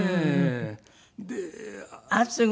あっすごい。